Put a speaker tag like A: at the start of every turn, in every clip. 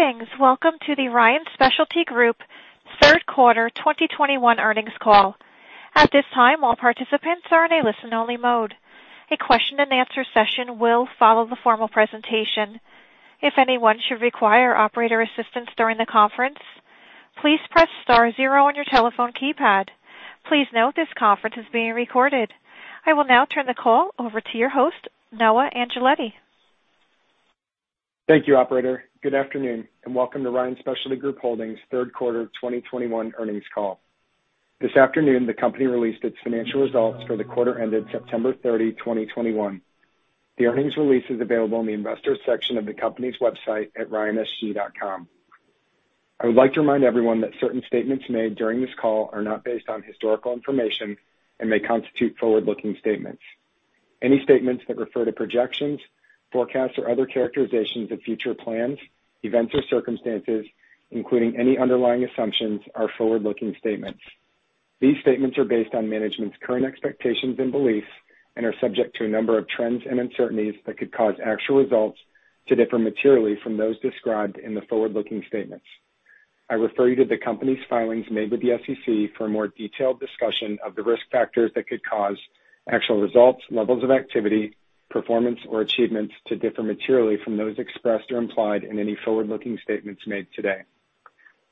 A: Greetings. Welcome to the Ryan Specialty Group Third Quarter 2021 earnings call. At this time, all participants are in a listen-only mode. A question-and-answer session will follow the formal presentation. If anyone should require operator assistance during the conference, please press star zero on your telephone keypad. Please note this conference is being recorded. I will now turn the call over to your host, Noah Angeletti.
B: Thank you, operator. Good afternoon and welcome to Ryan Specialty Group Holdings Third Quarter 2021 earnings call. This afternoon, the company released its financial results for the quarter ended September 30, 2021. The earnings release is available in the Investors section of the company's website at ryansg.com. I would like to remind everyone that certain statements made during this call are not based on historical information and may constitute forward-looking statements. Any statements that refer to projections, forecasts, or other characterizations of future plans, events or circumstances, including any underlying assumptions, are forward-looking statements. These statements are based on management's current expectations and beliefs and are subject to a number of trends and uncertainties that could cause actual results to differ materially from those described in the forward-looking statements. I refer you to the company's filings made with the SEC for a more detailed discussion of the risk factors that could cause actual results, levels of activity, performance or achievements to differ materially from those expressed or implied in any forward-looking statements made today.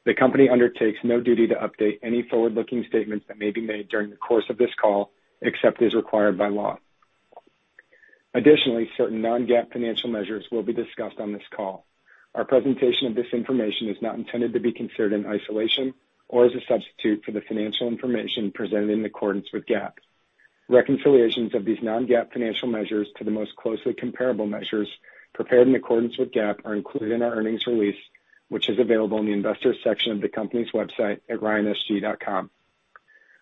B: The company undertakes no duty to update any forward-looking statements that may be made during the course of this call, except as required by law. Additionally, certain non-GAAP financial measures will be discussed on this call. Our presentation of this information is not intended to be considered in isolation or as a substitute for the financial information presented in accordance with GAAP. Reconciliations of these non-GAAP financial measures to the most comparable measures prepared in accordance with GAAP are included in our earnings release, which is available in the Investors section of the company's website at ryansg.com.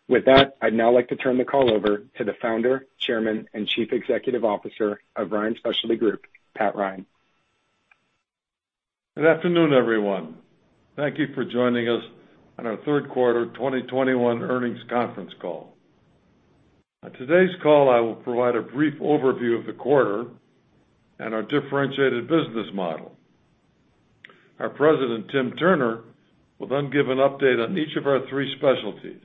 B: With that, I'd now like to turn the call over to the Founder, Chairman, and Chief Executive Officer of Ryan Specialty Group, Pat Ryan.
C: Good afternoon, everyone. Thank you for joining us on our third quarter 2021 earnings conference call. On today's call, I will provide a brief overview of the quarter and our differentiated business model. Our President, Tim Turner, will then give an update on each of our three specialties.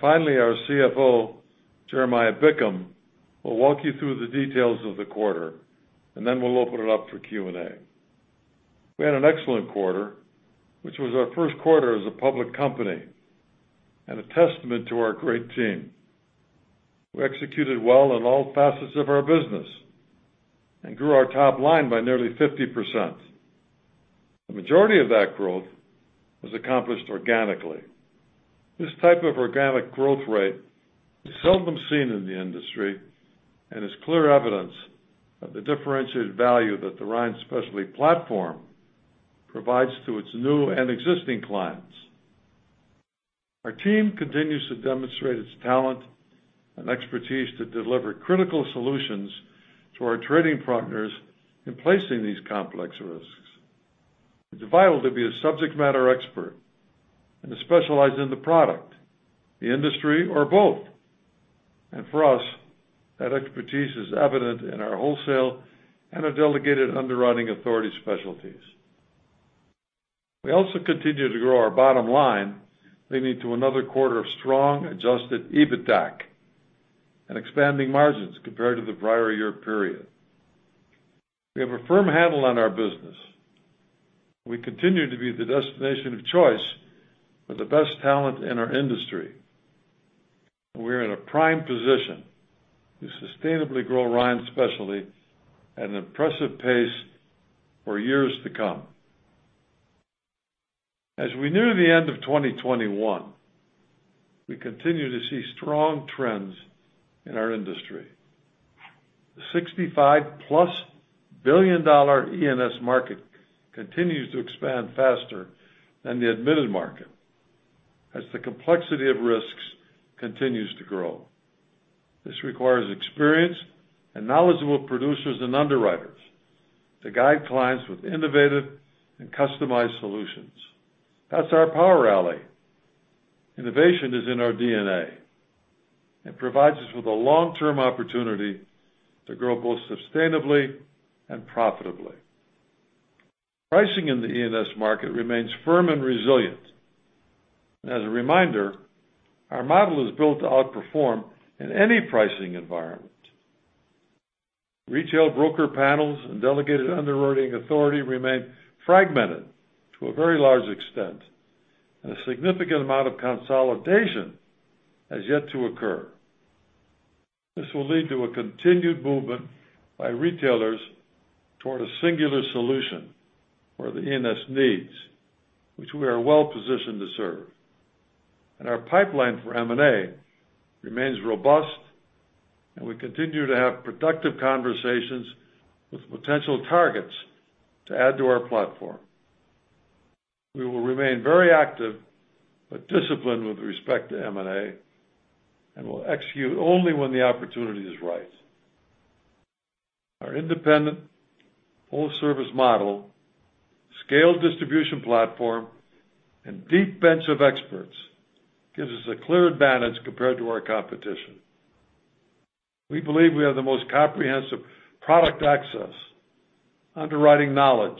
C: Finally, our CFO, Jeremiah Bickham, will walk you through the details of the quarter, and then we'll open it up for Q&A. We had an excellent quarter, which was our first quarter as a public company and a testament to our great team. We executed well in all facets of our business and grew our top line by nearly 50%. The majority of that growth was accomplished organically. This type of organic growth rate is seldom seen in the industry and is clear evidence of the differentiated value that the Ryan Specialty platform provides to its new and existing clients. Our team continues to demonstrate its talent and expertise to deliver critical solutions to our trading partners in placing these complex risks. It's vital to be a subject matter expert and to specialize in the product, the industry or both. For us, that expertise is evident in our wholesale and our delegated underwriting authority specialties. We also continue to grow our bottom line, leading to another quarter of strong adjusted EBITDAC and expanding margins compared to the prior year period. We have a firm handle on our business. We continue to be the destination of choice for the best talent in our industry, and we are in a prime position to sustainably grow Ryan Specialty at an impressive pace for years to come. As we near the end of 2021, we continue to see strong trends in our industry. $65+ billion E&S market continues to expand faster than the admitted market as the complexity of risks continues to grow. This requires experienced and knowledgeable producers and underwriters to guide clients with innovative and customized solutions. That's our power rally. Innovation is in our DNA. It provides us with a long-term opportunity to grow both sustainably and profitably. Pricing in the E&S market remains firm and resilient. As a reminder, our model is built to outperform in any pricing environment. Retail broker panels and delegated underwriting authority remain fragmented to a very large extent, and a significant amount of consolidation has yet to occur. This will lead to a continued movement by retailers toward a singular solution for the E&S needs, which we are well-positioned to serve. Our pipeline for M&A remains robust, and we continue to have productive conversations with potential targets to add to our platform. We will remain very active but disciplined with respect to M&A and will execute only when the opportunity is right. Our independent full-service model scaled distribution platform and deep bench of experts gives us a clear advantage compared to our competition. We believe we have the most comprehensive product access, underwriting knowledge,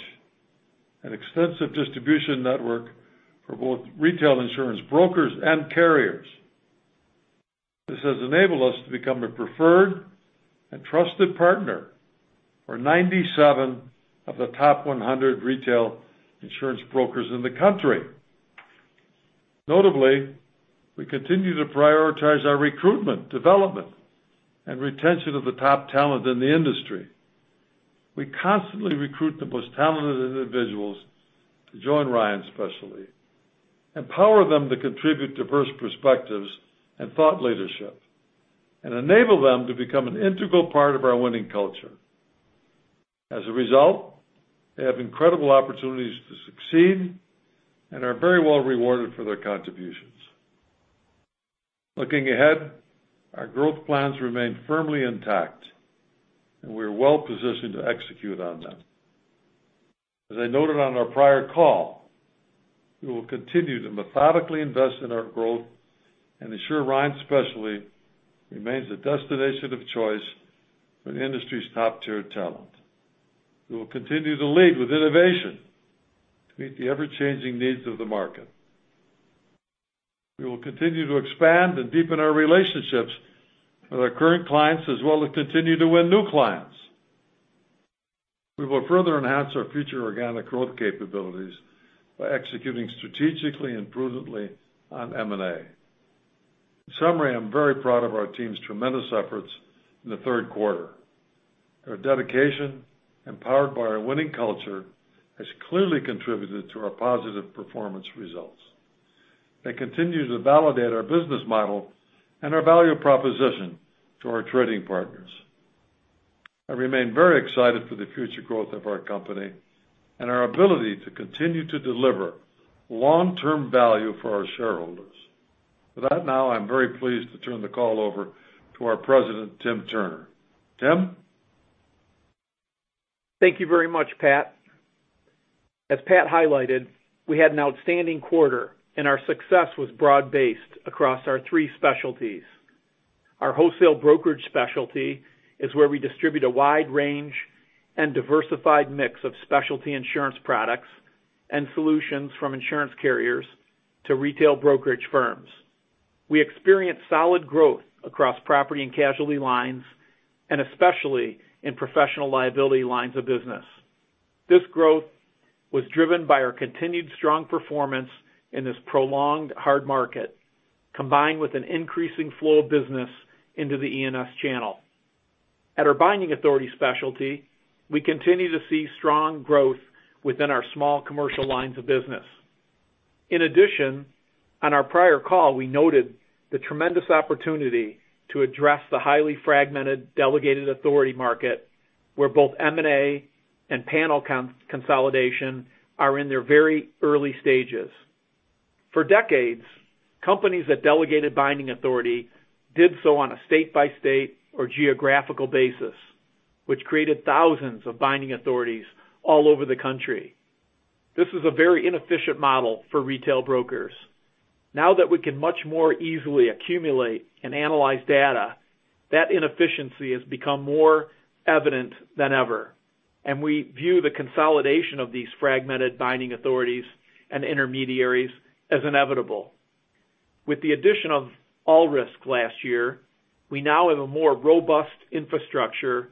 C: and extensive distribution network for both retail insurance brokers and carriers. This has enabled us to become a preferred and trusted partner for 97 of the top 100 retail insurance brokers in the country. Notably, we continue to prioritize our recruitment, development, and retention of the top talent in the industry. We constantly recruit the most talented individuals to join Ryan Specialty, empower them to contribute diverse perspectives and thought leadership, and enable them to become an integral part of our winning culture. As a result, they have incredible opportunities to succeed and are very well rewarded for their contributions. Looking ahead, our growth plans remain firmly intact, and we are well-positioned to execute on them. As I noted on our prior call, we will continue to methodically invest in our growth and ensure Ryan Specialty remains the destination of choice for the industry's top-tier talent. We will continue to lead with innovation to meet the ever-changing needs of the market. We will continue to expand and deepen our relationships with our current clients, as well as continue to win new clients. We will further enhance our future organic growth capabilities by executing strategically and prudently on M&A. In summary, I'm very proud of our team's tremendous efforts in the third quarter. Their dedication, empowered by our winning culture, has clearly contributed to our positive performance results. They continue to validate our business model and our value proposition to our trading partners. I remain very excited for the future growth of our company and our ability to continue to deliver long-term value for our shareholders. With that, now I'm very pleased to turn the call over to our President, Tim Turner. Tim?
D: Thank you very much, Pat. As Pat highlighted, we had an outstanding quarter, and our success was broad-based across our three specialties. Our Wholesale Brokerage specialty is where we distribute a wide range and diversified mix of specialty insurance products and solutions from insurance carriers to retail brokerage firms. We experienced solid growth across property and casualty lines, and especially in professional liability lines of business. This growth was driven by our continued strong performance in this prolonged hard market, combined with an increasing flow of business into the E&S channel. At our Binding Authority specialty, we continue to see strong growth within our small commercial lines of business. In addition, on our prior call, we noted the tremendous opportunity to address the highly fragmented delegated authority market, where both M&A and panel consolidation are in their very early stages. For decades, companies that delegated binding authority did so on a state-by-state or geographical basis, which created thousands of binding authorities all over the country. This is a very inefficient model for retail brokers. Now that we can much more easily accumulate and analyze data, that inefficiency has become more evident than ever, and we view the consolidation of these fragmented binding authorities and intermediaries as inevitable. With the addition of All Risks last year, we now have a more robust infrastructure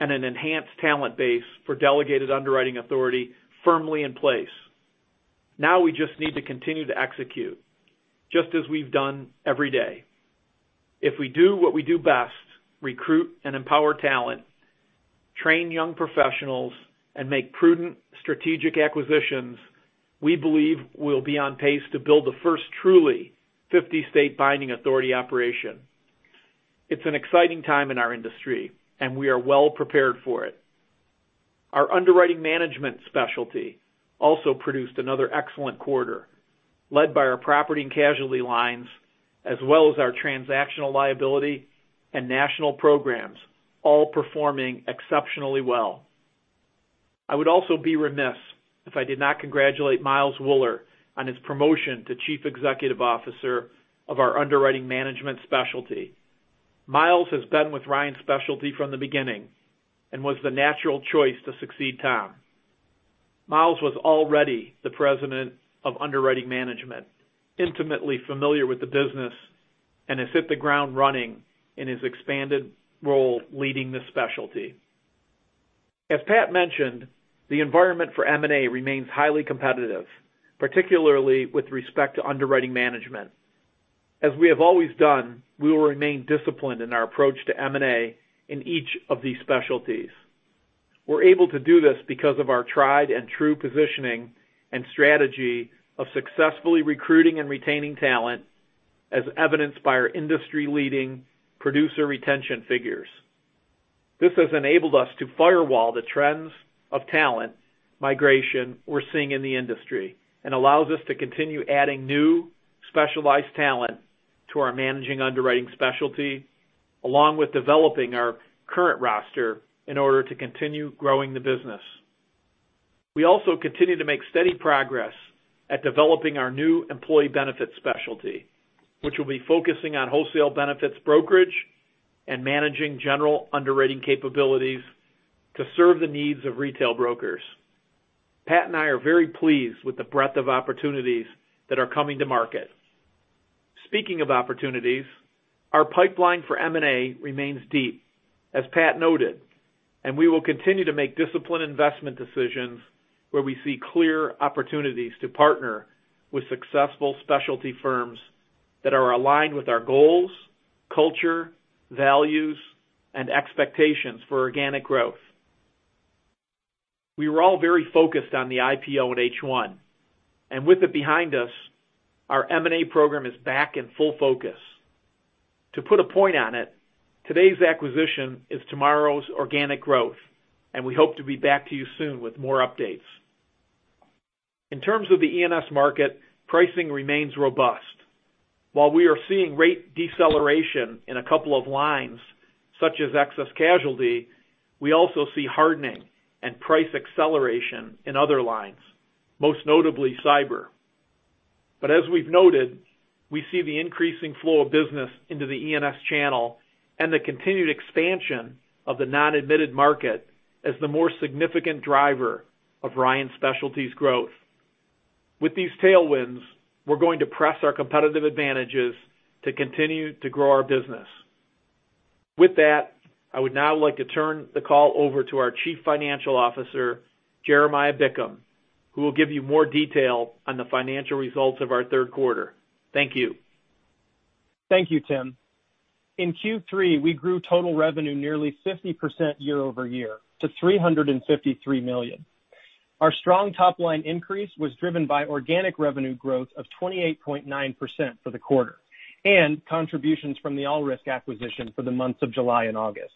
D: and an enhanced talent base for delegated underwriting authority firmly in place. Now we just need to continue to execute just as we've done every day. If we do what we do best, recruit and empower talent, train young professionals, and make prudent strategic acquisitions, we believe we'll be on pace to build the first truly 50-state binding authority operation. It's an exciting time in our industry, and we are well prepared for it. Our Underwriting Management specialty also produced another excellent quarter, led by our property and casualty lines, as well as our transactional liability and national programs, all performing exceptionally well. I would also be remiss if I did not congratulate Miles Wuller on his promotion to Chief Executive Officer of our Underwriting Management specialty. Miles has been with Ryan Specialty from the beginning and was the natural choice to succeed Tom. Miles was already the President of Underwriting Management, intimately familiar with the business, and has hit the ground running in his expanded role leading this specialty. As Pat mentioned, the environment for M&A remains highly competitive, particularly with respect to Underwriting Management. As we have always done, we will remain disciplined in our approach to M&A in each of these specialties. We're able to do this because of our tried and true positioning and strategy of successfully recruiting and retaining talent, as evidenced by our industry-leading producer retention figures. This has enabled us to firewall the trends of talent migration we're seeing in the industry and allows us to continue adding new specialized talent to our managing general underwriting specialty, along with developing our current roster in order to continue growing the business. We also continue to make steady progress at developing our new employee benefits specialty, which will be focusing on wholesale benefits brokerage and managing general underwriting capabilities to serve the needs of retail brokers. Pat and I are very pleased with the breadth of opportunities that are coming to market. Speaking of opportunities, our pipeline for M&A remains deep, as Pat noted, and we will continue to make disciplined investment decisions where we see clear opportunities to partner with successful specialty firms that are aligned with our goals, culture, values, and expectations for organic growth. We were all very focused on the IPO in H1, and with it behind us, our M&A program is back in full focus. To put a point on it, today's acquisition is tomorrow's organic growth, and we hope to be back to you soon with more updates. In terms of the E&S market, pricing remains robust. While we are seeing rate deceleration in a couple of lines, such as excess casualty, we also see hardening and price acceleration in other lines, most notably cyber. As we've noted, we see the increasing flow of business into the E&S channel and the continued expansion of the non-admitted market as the more significant driver of Ryan Specialty's growth. With these tailwinds, we're going to press our competitive advantages to continue to grow our business. With that, I would now like to turn the call over to our Chief Financial Officer, Jeremiah Bickham, who will give you more detail on the financial results of our third quarter. Thank you.
E: Thank you, Tim. In Q3, we grew total revenue nearly 50% year-over-year to $353 million. Our strong top-line increase was driven by organic revenue growth of 28.9% for the quarter, and contributions from the All Risks acquisition for the months of July and August.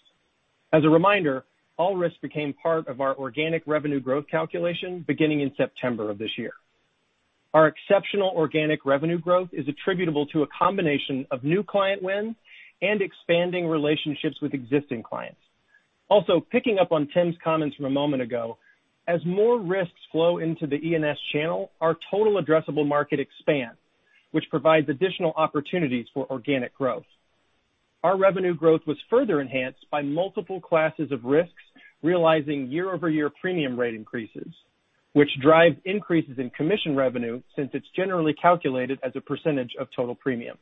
E: As a reminder, All Risks became part of our organic revenue growth calculation beginning in September of this year. Our exceptional organic revenue growth is attributable to a combination of new client wins and expanding relationships with existing clients. Also, picking up on Tim's comments from a moment ago, as more risks flow into the E&S channel, our total addressable market expands, which provides additional opportunities for organic growth. Our revenue growth was further enhanced by multiple classes of risks realizing year-over-year premium rate increases, which drive increases in commission revenue since it's generally calculated as a percentage of total premium.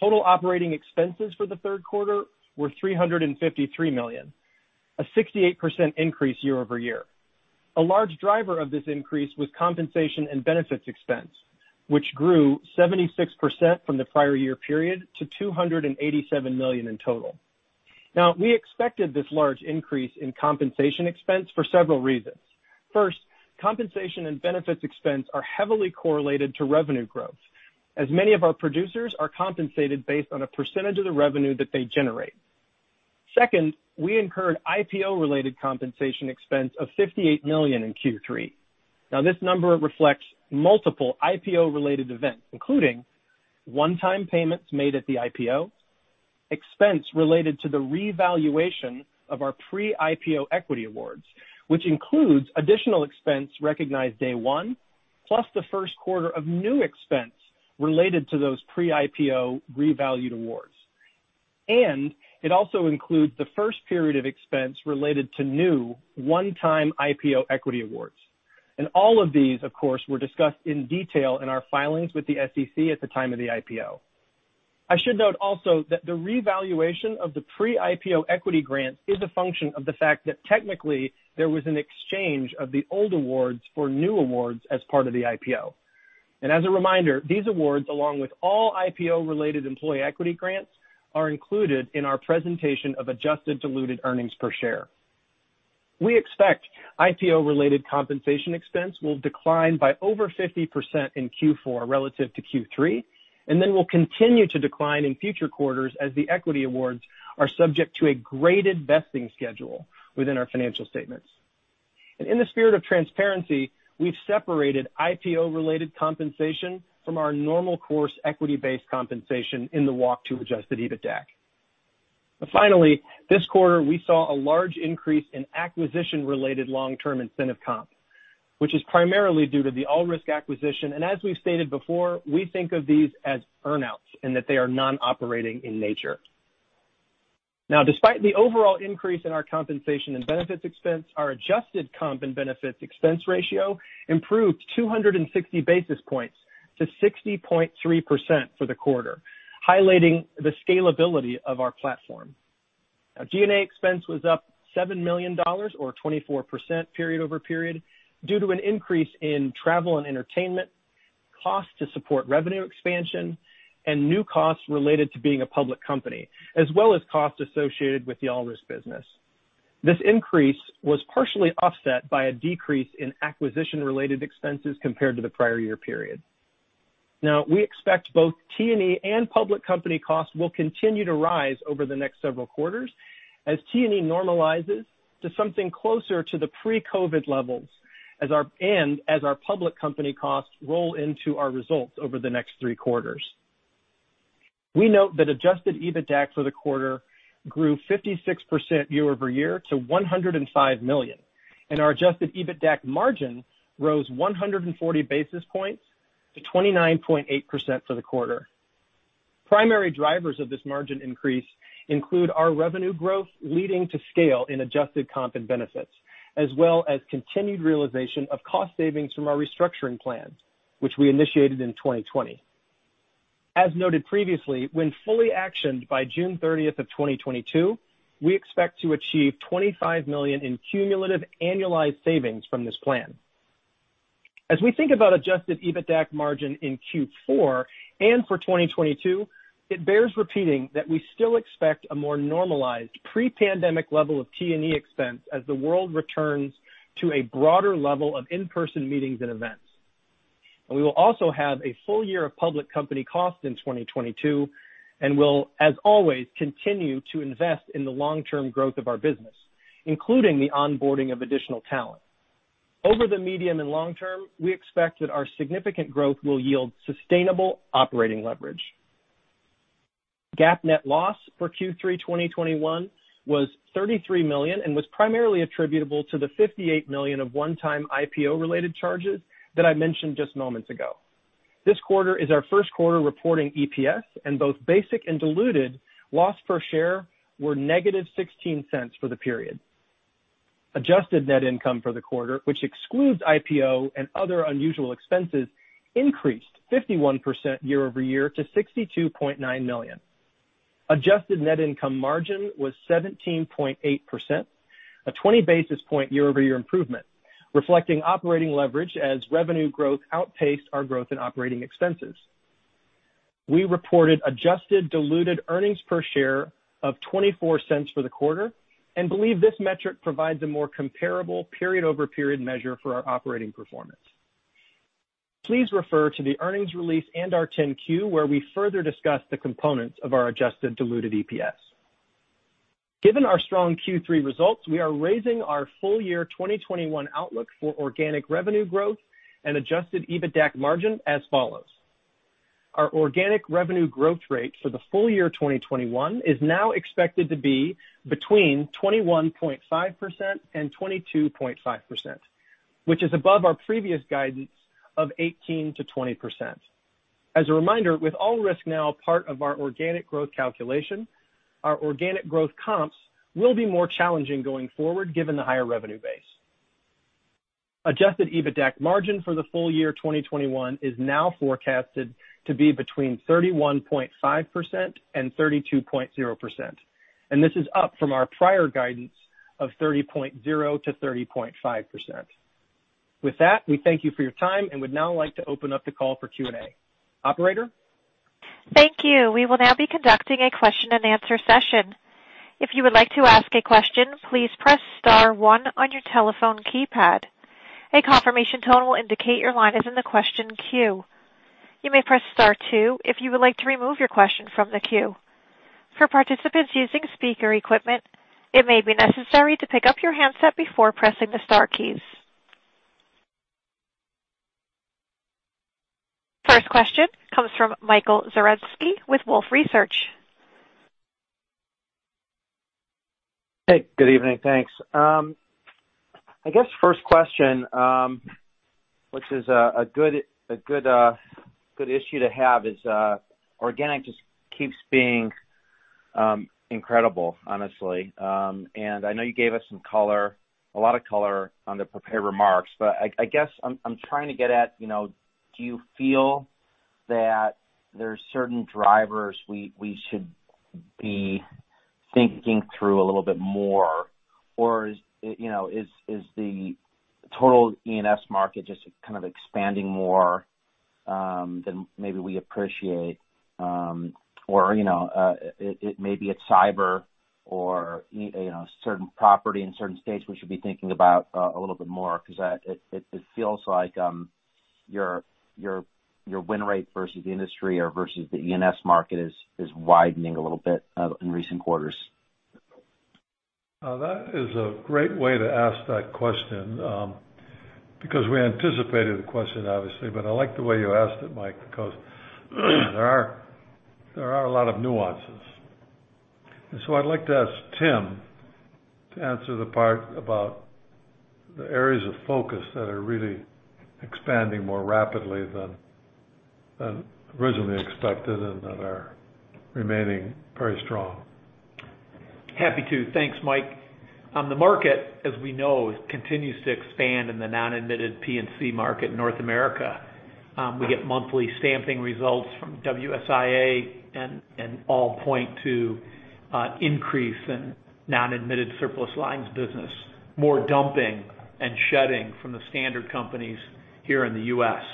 E: Total operating expenses for the third quarter were $353 million, a 68% increase year-over-year. A large driver of this increase was compensation and benefits expense, which grew 76% from the prior year period to $287 million in total. Now, we expected this large increase in compensation expense for several reasons. First, compensation and benefits expense are heavily correlated to revenue growth, as many of our producers are compensated based on a percentage of the revenue that they generate. Second, we incurred IPO-related compensation expense of $58 million in Q3. Now, this number reflects multiple IPO-related events, including one-time payments made at the IPO, expense related to the revaluation of our pre-IPO equity awards, which includes additional expense recognized day one, plus the first quarter of new expense related to those pre-IPO revalued awards. It also includes the first period of expense related to new one-time IPO equity awards. All of these, of course, were discussed in detail in our filings with the SEC at the time of the IPO. I should note also that the revaluation of the pre-IPO equity grants is a function of the fact that technically there was an exchange of the old awards for new awards as part of the IPO. As a reminder, these awards, along with all IPO-related employee equity grants, are included in our presentation of adjusted diluted earnings per share. We expect IPO-related compensation expense will decline by over 50% in Q4 relative to Q3, and then will continue to decline in future quarters as the equity awards are subject to a graded vesting schedule within our financial statements. In the spirit of transparency, we've separated IPO-related compensation from our normal course equity-based compensation in the walk to adjusted EBITDAC. Finally, this quarter, we saw a large increase in acquisition-related long-term incentive comp, which is primarily due to the All Risks acquisition. As we've stated before, we think of these as earn-outs and that they are non-operating in nature. Now, despite the overall increase in our compensation and benefits expense, our adjusted comp and benefits expense ratio improved 260 basis points to 60.3% for the quarter, highlighting the scalability of our platform. Now, G&A expense was up $7 million or 24% period-over-period due to an increase in travel and entertainment, cost to support revenue expansion, and new costs related to being a public company, as well as costs associated with the All Risks business. This increase was partially offset by a decrease in acquisition-related expenses compared to the prior year period. Now, we expect both T&E and public company costs will continue to rise over the next several quarters. As T&E normalizes to something closer to the pre-COVID levels as our public company costs roll into our results over the next three quarters. We note that adjusted EBITDAC for the quarter grew 56% year-over-year to $105 million, and our adjusted EBITDAC margin rose 140 basis points to 29.8% for the quarter. Primary drivers of this margin increase include our revenue growth, leading to scale in adjusted comp and benefits, as well as continued realization of cost savings from our restructuring plan, which we initiated in 2020. As noted previously, when fully actioned by June 30th, 2022, we expect to achieve $25 million in cumulative annualized savings from this plan. As we think about adjusted EBITDAC margin in Q4 and for 2022, it bears repeating that we still expect a more normalized pre-pandemic level of T&E expense as the world returns to a broader level of in-person meetings and events. We will also have a full year of public company costs in 2022, and we'll, as always, continue to invest in the long-term growth of our business, including the onboarding of additional talent. Over the medium and long term, we expect that our significant growth will yield sustainable operating leverage. GAAP net loss for Q3 2021 was $33 million and was primarily attributable to the $58 million of one-time IPO-related charges that I mentioned just moments ago. This quarter is our first quarter reporting EPS, and both basic and diluted loss per share were -$0.16 for the period. Adjusted net income for the quarter, which excludes IPO and other unusual expenses, increased 51% year-over-year to $62.9 million. Adjusted net income margin was 17.8%, a 20 basis point year-over-year improvement, reflecting operating leverage as revenue growth outpaced our growth in operating expenses. We reported adjusted diluted earnings per share of $0.24 for the quarter and believe this metric provides a more comparable period-over-period measure for our operating performance. Please refer to the earnings release and our 10-Q, where we further discuss the components of our adjusted diluted EPS. Given our strong Q3 results, we are raising our full year 2021 outlook for organic revenue growth and adjusted EBITDAC margin as follows: Our organic revenue growth rate for the full year 2021 is now expected to be between 21.5% and 22.5%, which is above our previous guidance of 18%-20%. As a reminder, with All Risks now part of our organic growth calculation, our organic growth comps will be more challenging going forward given the higher revenue base. Adjusted EBITDAC margin for the full year 2021 is now forecasted to be between 31.5% and 32.0%, and this is up from our prior guidance of 30.0% to 30.5%. With that, we thank you for your time and would now like to open up the call for Q&A. Operator?
A: Thank you. We will now be conducting a question and answer session. If you would like to ask a question, please press star one on your telephone keypad. A confirmation tone will indicate your line is in the question queue. You may press star two if you would like to remove your question from the queue. For participants using speaker equipment, it may be necessary to pick up your handset before pressing the star keys. First question comes from Michael Zaremski with Wolfe Research.
F: Hey, good evening. Thanks. I guess first question, which is a good issue to have is organic just keeps being incredible, honestly. I know you gave us some color, a lot of color on the prepared remarks, but I guess I'm trying to get at, you know, do you feel that there are certain drivers we should be thinking through a little bit more? Is, you know, the total E&S market just kind of expanding more than maybe we appreciate, or, you know, it may be it's cyber or, you know, certain property in certain states we should be thinking about a little bit more because it feels like your win rate versus the industry or versus the E&S market is widening a little bit in recent quarters?
C: That is a great way to ask that question, because we anticipated the question, obviously, but I like the way you asked it, Mike, because there are a lot of nuances. I'd like to ask Tim to answer the part about the areas of focus that are really expanding more rapidly than originally expected and that are remaining very strong.
D: Happy to. Thanks, Mike. The market, as we know, continues to expand in the non-admitted P&C market in North America. We get monthly stamping results from WSIA, and all point to increase in non-admitted surplus lines business, more dumping and shedding from the standard companies here in the U.S.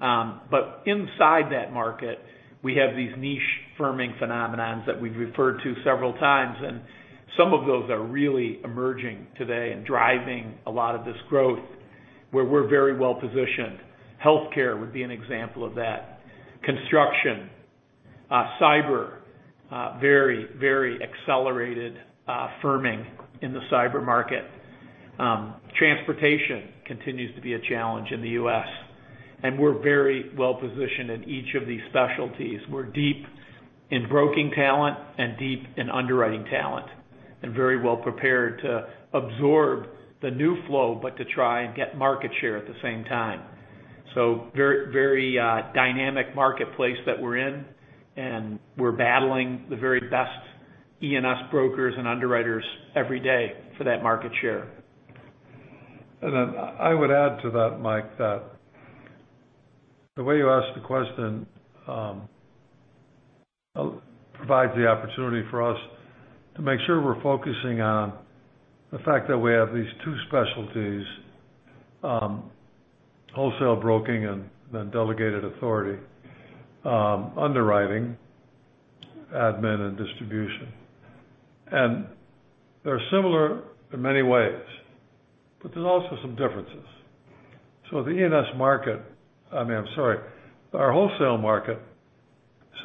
D: Inside that market, we have these niche firming phenomena that we've referred to several times, and some of those are really emerging today and driving a lot of this growth where we're very well-positioned. Healthcare would be an example of that. Construction, cyber, very accelerated firming in the cyber market. Transportation continues to be a challenge in the U.S., and we're very well-positioned in each of these specialties. We're deep in broking talent and deep in underwriting talent, and very well prepared to absorb the new flow, but to try and get market share at the same time. Very dynamic marketplace that we're in, and we're battling the very best E&S brokers and underwriters every day for that market share.
C: I would add to that, Mike, that the way you ask the question provides the opportunity for us to make sure we're focusing on the fact that we have these two specialties, Wholesale Brokerage and then delegated authority underwriting, admin, and distribution. They're similar in many ways, but there's also some differences. I mean, I'm sorry, our wholesale market,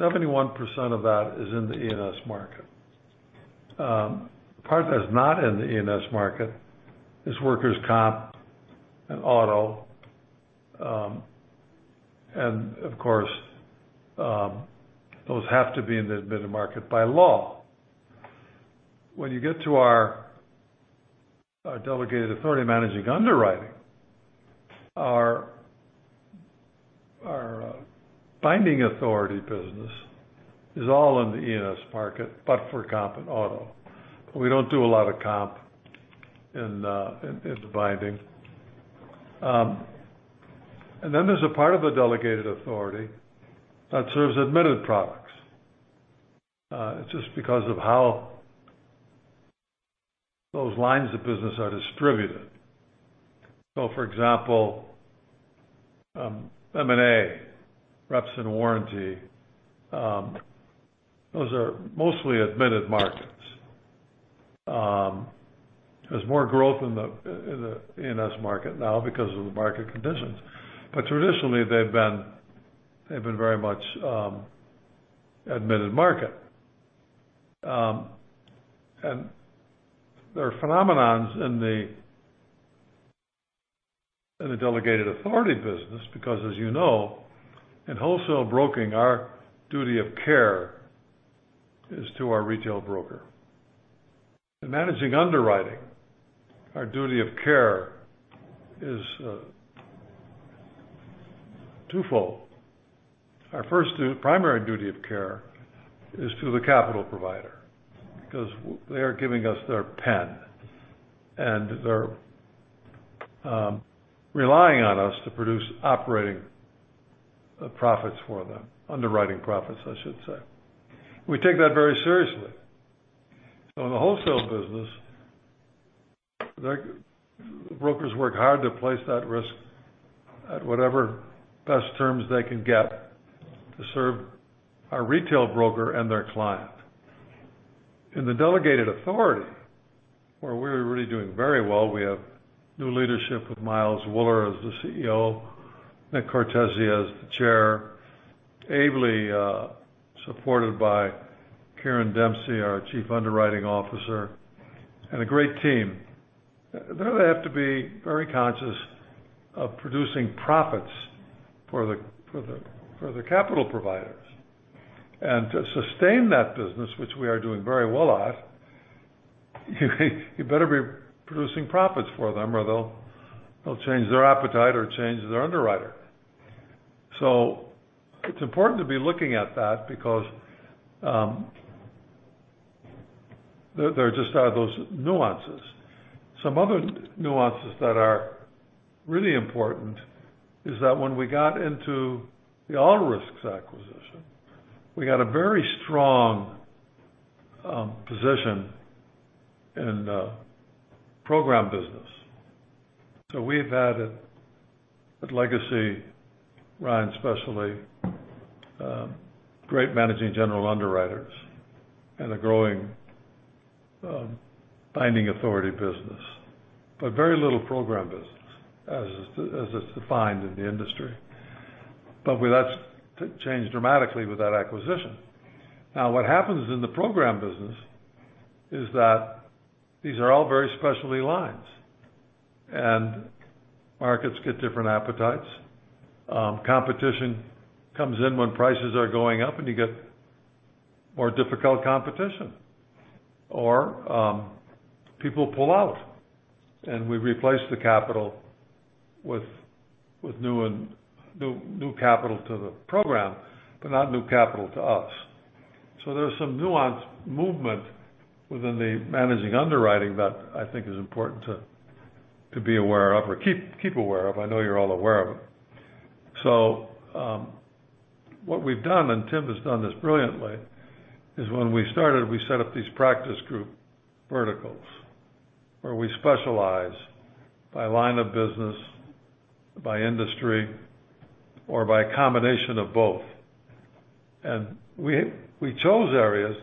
C: 71% of that is in the E&S market. The part that's not in the E&S market is workers' comp and auto. And of course, those have to be in the admitted market by law. When you get to our delegated authority managing underwriting, our binding authority business is all in the E&S market, but for comp and auto. We don't do a lot of comp in the binding. There's a part of the delegated authority that serves admitted products, just because of how those lines of business are distributed. For example, M&A, reps and warranty, those are mostly admitted markets. There's more growth in the E&S market now because of the market conditions. Traditionally, they've been very much admitted market. There are phenomena in the delegated authority business because as you know, in wholesale brokerage, our duty of care is to our retail broker. In managing underwriting, our duty of care is twofold. Our first primary duty of care is to the capital provider, because they are giving us their pen, and they're relying on us to produce operating profits for them, underwriting profits, I should say. We take that very seriously. In the wholesale business, the brokers work hard to place that risk at whatever best terms they can get to serve our retail broker and their client. In the delegated authority, where we're really doing very well, we have new leadership with Miles Wuller as the CEO, Nick Cortezi as the Chair, ably supported by Kieran Dempsey, our Chief Underwriting Officer, and a great team. They have to be very conscious of producing profits for the capital providers. To sustain that business, which we are doing very well at, you better be producing profits for them, or they'll change their appetite or change their underwriter. It's important to be looking at that because there just are those nuances. Some other nuances that are really important is that when we got into the All Risks acquisition, we had a very strong position in the program business. We've had at legacy Ryan Specialty great managing general underwriters and a growing binding authority business, but very little program business as it's defined in the industry. With us, that changed dramatically with that acquisition. Now, what happens in the program business is that these are all very specialty lines, and markets get different appetites. Competition comes in when prices are going up, and you get more difficult competition, or people pull out, and we replace the capital with new capital to the program, but not new capital to us. There's some nuance movement within the managing underwriting that I think is important to be aware of or keep aware of. I know you're all aware of them. What we've done, and Tim has done this brilliantly, is when we started, we set up these practice group verticals where we specialize by line of business, by industry, or by a combination of both. We chose areas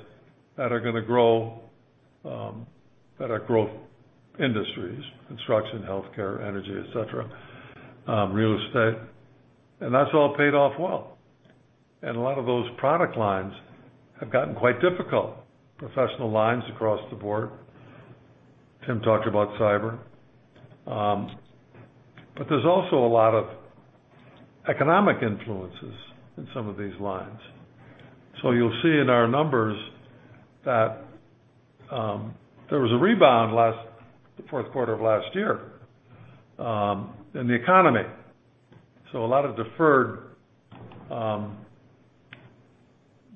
C: that are gonna grow, that are growth industries, construction, healthcare, energy, et cetera, real estate. That's all paid off well. A lot of those product lines have gotten quite difficult. Professional lines across the board. Tim talked about cyber. But there's also a lot of economic influences in some of these lines. You'll see in our numbers that there was a rebound in the fourth quarter of last year in the economy. A lot of deferred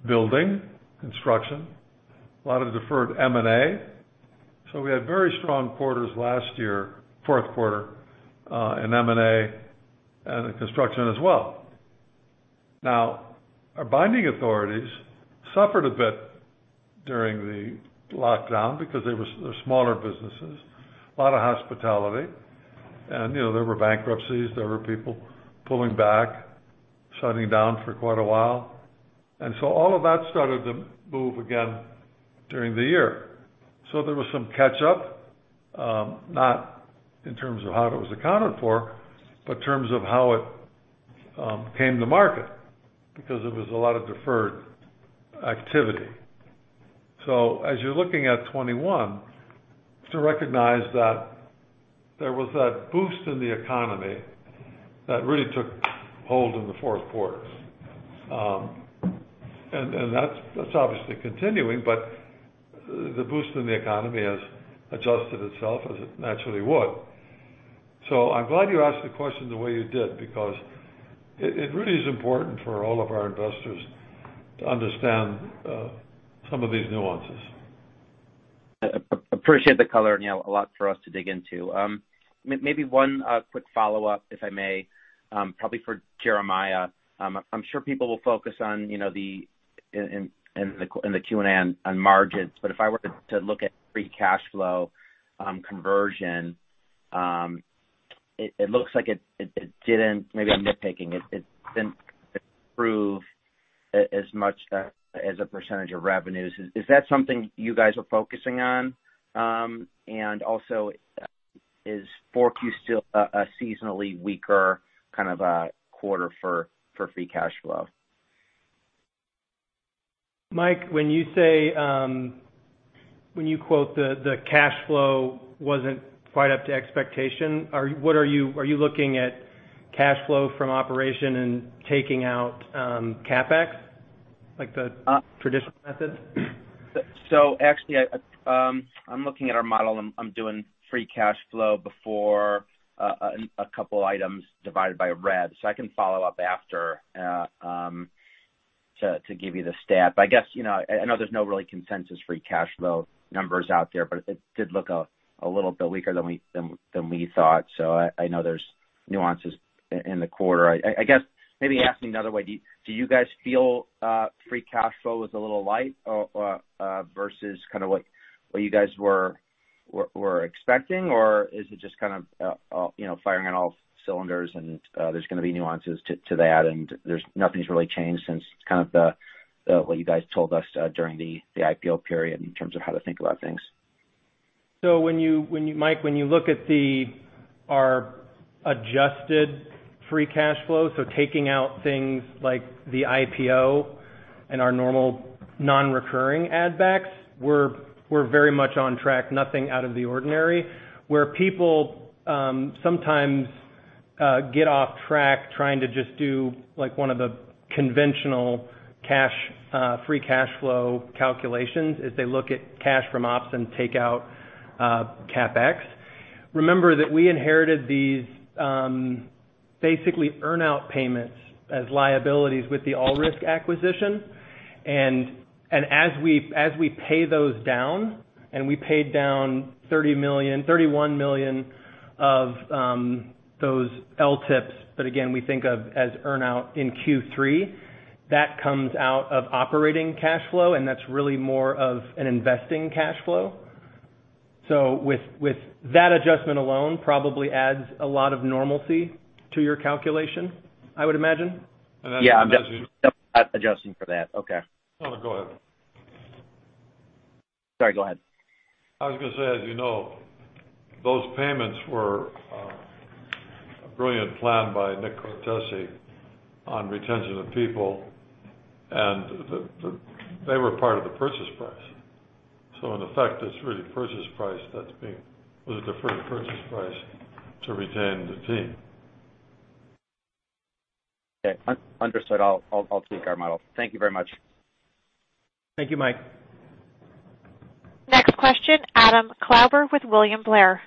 C: building, construction, a lot of deferred M&A. We had very strong quarters last year, fourth quarter in M&A and in construction as well. Now, our binding authorities suffered a bit during the lockdown because they were smaller businesses, a lot of hospitality. You know, there were bankruptcies, there were people pulling back, shutting down for quite a while. All of that started to move again during the year. There was some catch up not in terms of how it was accounted for, but in terms of how it came to market because it was a lot of deferred activity. As you're looking at 2021, to recognize that there was that boost in the economy that really took hold in the fourth quarter. And that's obviously continuing, but the boost in the economy has adjusted itself as it naturally would. I'm glad you asked the question the way you did because it really is important for all of our investors to understand some of these nuances.
F: Appreciate the color, and you know, a lot for us to dig into. Maybe one quick follow-up, if I may, probably for Jeremiah. I'm sure people will focus on, you know, the Q&A on margins. If I were to look at free cash flow conversion, it didn't improve as much as a percentage of revenues. Maybe I'm nitpicking. Is that something you guys are focusing on? Also, is 4Q still a seasonally weaker kind of a quarter for free cash flow?
E: Mike, when you quote the cash flow wasn't quite up to expectation, are you looking at cash flow from operations and taking out CapEx, like the traditional method?
F: Actually I'm looking at our model and I'm doing free cash flow before a couple items divided by rev. I can follow up after to give you the stat. I guess, you know, I know there's no real consensus free cash flow numbers out there, but it did look a little bit weaker than we than we thought. I know there's nuances in the quarter. I guess maybe asking another way, do you guys feel free cash flow was a little light versus kind of what you guys were expecting? Is it just kind of, you know, firing on all cylinders and there's gonna be nuances to that and nothing's really changed since kind of the what you guys told us during the IPO period in terms of how to think about things?
E: Mike, when you look at our adjusted free cash flow, taking out things like the IPO and our normal non-recurring add backs, we're very much on track, nothing out of the ordinary. Where people sometimes get off track trying to just do like one of the conventional free cash flow calculations, is they look at cash from ops and take out CapEx. Remember that we inherited these basically earn out payments as liabilities with the All Risks acquisition. As we pay those down, and we paid down $31 million of those LTIPs, that again, we think of as earn out in Q3, that comes out of operating cash flow, and that's really more of an investing cash flow. With that adjustment alone probably adds a lot of normalcy to your calculation, I would imagine.
F: Yeah. I'm definitely not adjusting for that. Okay.
C: No, go ahead.
F: Sorry, go ahead.
C: I was gonna say, as you know, those payments were a brilliant plan by Nick Cortezi on retention of people, and they were part of the purchase price. In effect, it's really purchase price that was a deferred purchase price to retain the team.
F: Okay. Understood. I'll tweak our model. Thank you very much.
E: Thank you, Mike.
A: Next question, Adam Klauber with William Blair.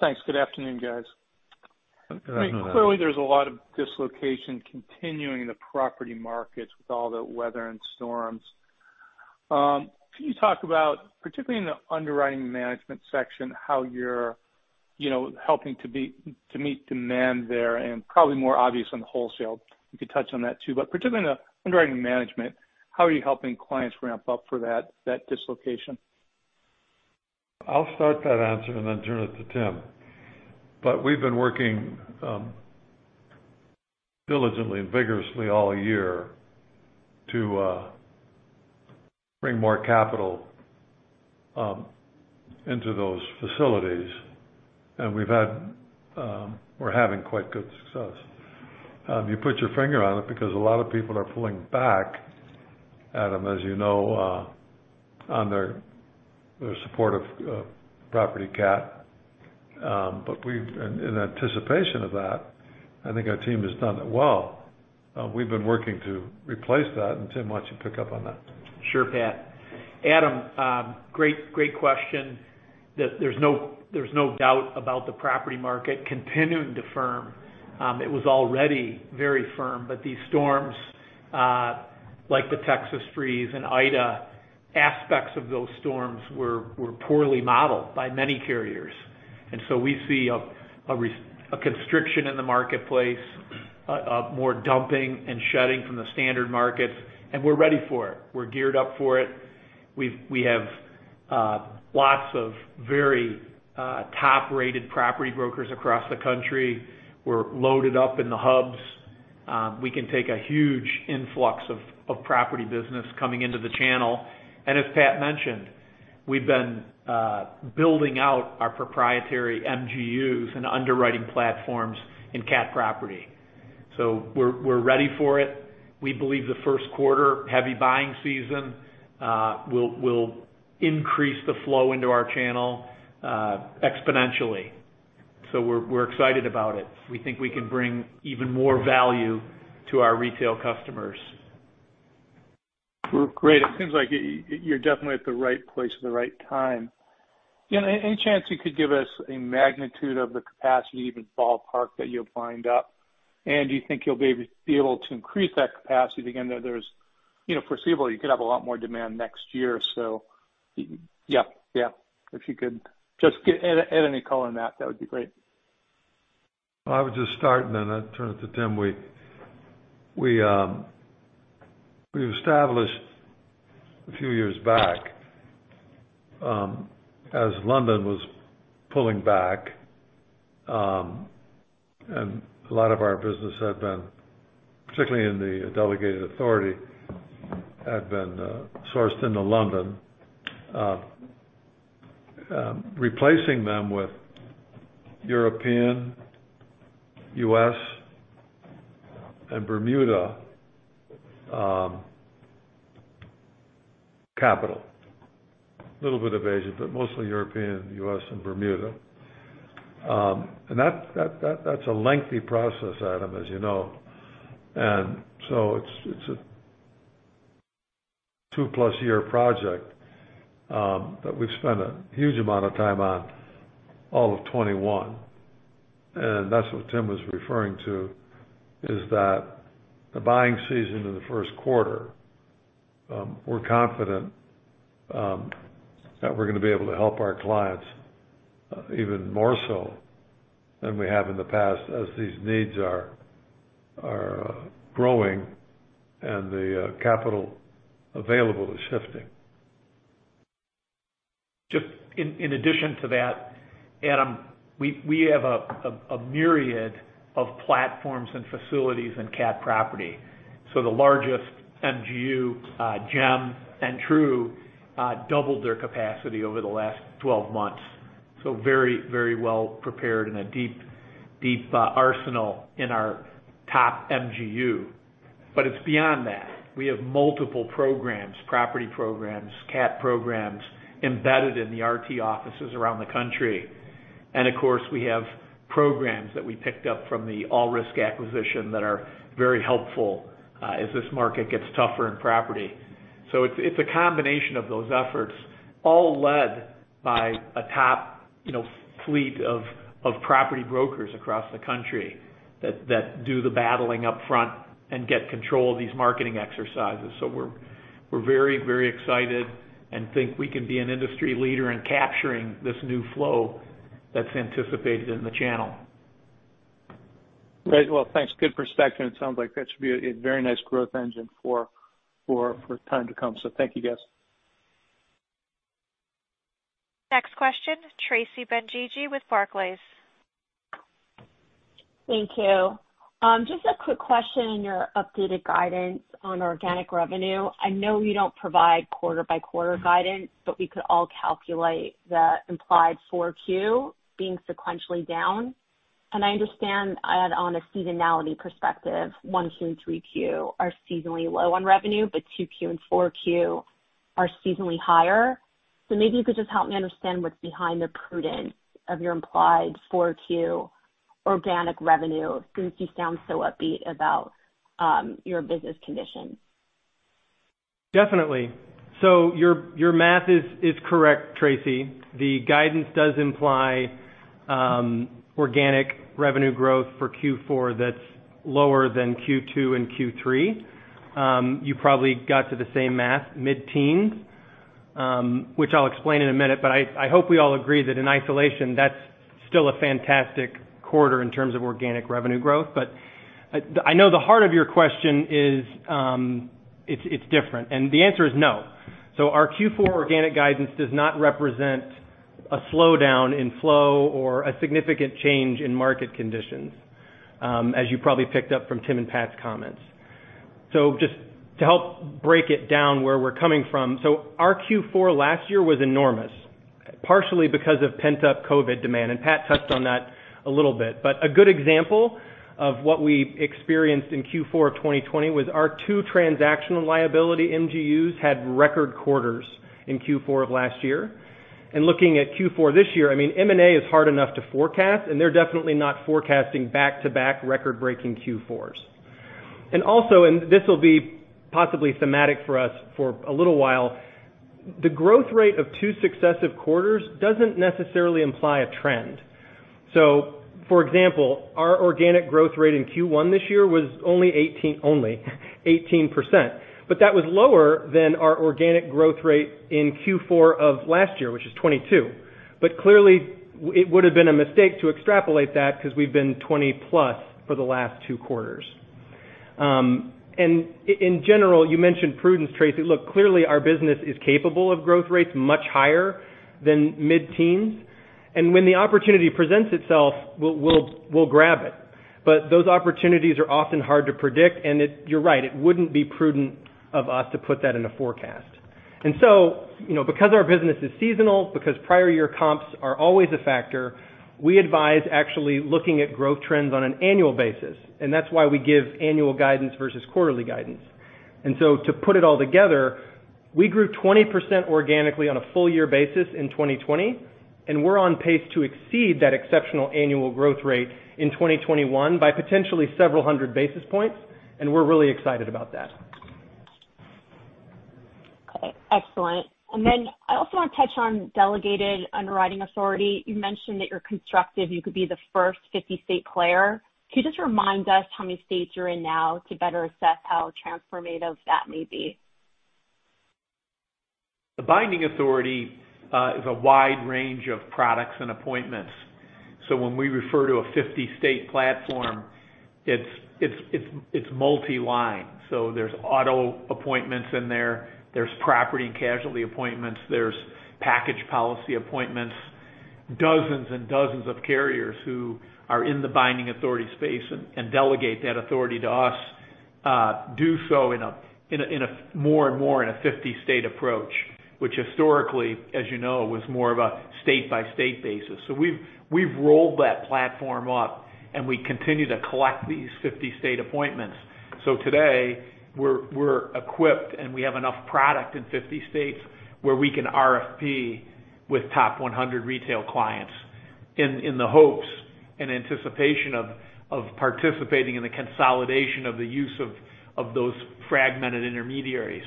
G: Thanks. Good afternoon, guys.
C: Good afternoon, Adam.
G: I mean, clearly there's a lot of dislocation continuing in the property markets with all the weather and storms. Can you talk about, particularly in the Underwriting Management section, how you're, you know, helping to meet demand there, and probably more obvious on the Wholesale. You could touch on that too. But particularly in the Underwriting Management, how are you helping clients ramp up for that dislocation?
C: I'll start that answer and then turn it to Tim. We've been working diligently and vigorously all year to bring more capital into those facilities. We're having quite good success. You put your finger on it because a lot of people are pulling back, Adam, as you know, on their support of property cat. In anticipation of that, I think our team has done it well. We've been working to replace that, and Tim, why don't you pick up on that?
D: Sure, Pat. Adam, great question. There's no doubt about the property market continuing to firm. It was already very firm, but these storms, like the Texas freeze and Ida, aspects of those storms were poorly modeled by many carriers. We see a constriction in the marketplace, more dumping and shedding from the standard markets, and we're ready for it. We're geared up for it. We have lots of very top-rated property brokers across the country, who're loaded up in the hubs. We can take a huge influx of property business coming into the channel. As Pat mentioned, we've been building out our proprietary MGUs and underwriting platforms in cat property. We're ready for it. We believe the first quarter heavy buying season will increase the flow into our channel exponentially. We're excited about it. We think we can bring even more value to our retail customers.
G: Well, great. It seems like you're definitely at the right place at the right time. You know, any chance you could give us a magnitude of the capacity, even ballpark, that you're buying up? Do you think you'll be able to increase that capacity again, though there's, you know, foreseeable, you could have a lot more demand next year, so. Yeah. Yeah. If you could just add any color on that would be great.
C: I would just start, and then I'd turn it to Tim. We established a few years back, as London was pulling back, and a lot of our business had been, particularly in the delegated authority, sourced into London. Replacing them with European, U.S., and Bermuda capital. Little bit of Asia, but mostly European, U.S., and Bermuda. That's a lengthy process, Adam, as you know. It's a two-plus year project that we've spent a huge amount of time on all of 2021. That's what Tim was referring to, is that the buying season in the first quarter, we're confident that we're gonna be able to help our clients even more so than we have in the past as these needs are growing and the capital available is shifting.
D: Just in addition to that, Adam, we have a myriad of platforms and facilities in cat property. The largest MGU, Gen Re, doubled their capacity over the last 12 months. Very well prepared and a deep arsenal in our top MGU. It's beyond that. We have multiple programs, property programs, cat programs, embedded in the RT offices around the country. Of course, we have programs that we picked up from the All Risks acquisition that are very helpful as this market gets tougher in property. It's a combination of those efforts, all led by a top, you know, fleet of property brokers across the country that do the battling up front and get control of these marketing exercises. We're very, very excited and think we can be an industry leader in capturing this new flow that's anticipated in the channel.
G: Great. Well, thanks. Good perspective. It sounds like that should be a very nice growth engine for time to come. Thank you, guys.
A: Next question is Tracy Benguigui with Barclays.
H: Thank you. Just a quick question on your updated guidance on organic revenue. I know you don't provide quarter-by-quarter guidance, but we could all calculate the implied Q4 being sequentially down. I understand, on a seasonality perspective, Q1, Q2, and Q3 are seasonally low on revenue, but Q2 and Q4 are seasonally higher. Maybe you could just help me understand what's behind the prudence of your implied Q4 organic revenue, since you sound so upbeat about your business conditions.
E: Definitely. Your math is correct, Tracy. The guidance does imply organic revenue growth for Q4 that's lower than Q2 and Q3. You probably got to the same math, mid-teens, which I'll explain in a minute, but I hope we all agree that in isolation, that's Still a fantastic quarter in terms of organic revenue growth. I know the heart of your question is, it's different, and the answer is no. Our Q4 organic guidance does not represent a slowdown in flow or a significant change in market conditions, as you probably picked up from Tim and Pat's comments. Just to help break it down where we're coming from, so our Q4 last year was enormous, partially because of pent-up COVID demand, and Pat touched on that a little bit. A good example of what we experienced in Q4 of 2020 was our two transactional liability MGUs had record quarters in Q4 of last year. Looking at Q4 this year, I mean, M&A is hard enough to forecast, and they're definitely not forecasting back-to-back record-breaking Q4s. This will be possibly thematic for us for a little while, the growth rate of two successive quarters doesn't necessarily imply a trend. For example, our organic growth rate in Q1 this year was only 18%, but that was lower than our organic growth rate in Q4 of last year, which is 22%. Clearly, it would have been a mistake to extrapolate that because we've been 20+ for the last two quarters. In general, you mentioned prudence, Tracy. Look, clearly our business is capable of growth rates much higher than mid-teens. When the opportunity presents itself, we'll grab it. Those opportunities are often hard to predict. It, you're right, it wouldn't be prudent of us to put that in a forecast. You know, because our business is seasonal, because prior year comps are always a factor, we advise actually looking at growth trends on an annual basis, and that's why we give annual guidance versus quarterly guidance. To put it all together, we grew 20% organically on a full year basis in 2020, and we're on pace to exceed that exceptional annual growth rate in 2021 by potentially several hundred basis points, and we're really excited about that.
H: Okay, excellent. I also want to touch on delegated underwriting authority. You mentioned that you're constructive, you could be the first 50-state player. Can you just remind us how many states you're in now to better assess how transformative that may be?
D: The Binding Authority is a wide range of products and appointments. When we refer to a 50-state platform, it's multi-line. There's auto appointments in there's property and casualty appointments, there's package policy appointments, dozens and dozens of carriers who are in the binding authority space and delegate that authority to us, do so in a more and more 50-state approach, which historically, as you know, was more of a state-by-state basis. We've rolled that platform up, and we continue to collect these 50-state appointments. Today we're equipped, and we have enough product in 50 states where we can RFP with top 100 retail clients in the hopes and anticipation of participating in the consolidation of the use of those fragmented intermediaries.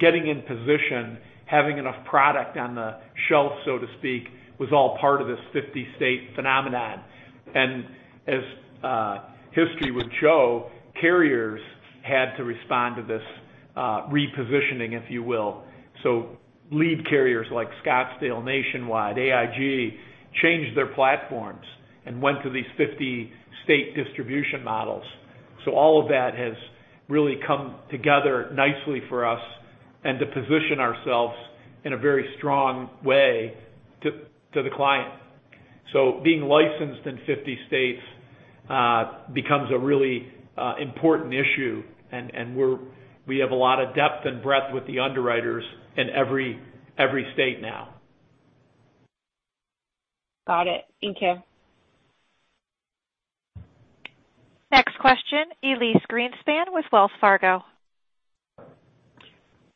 D: Getting in position, having enough product on the shelf, so to speak, was all part of this 50-state phenomenon. As history would show, carriers had to respond to this repositioning, if you will. Lead carriers like Scottsdale, Nationwide, AIG changed their platforms and went to these 50 state distribution models. All of that has really come together nicely for us and to position ourselves in a very strong way to the client. Being licensed in 50 states becomes a really important issue. And we have a lot of depth and breadth with the underwriters in every state now.
H: Got it. Thank you.
A: Next question, Elyse Greenspan with Wells Fargo.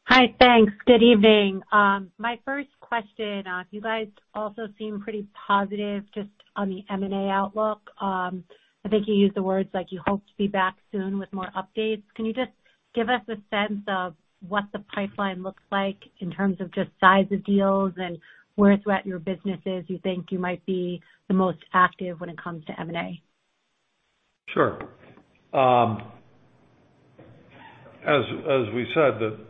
I: Hi. Thanks. Good evening. My first question, you guys also seem pretty positive just on the M&A outlook. I think you used the words like you hope to be back soon with more updates. Can you just give us a sense of what the pipeline looks like in terms of just size of deals and where throughout your businesses you think you might be the most active when it comes to M&A?
C: Sure. As we said, the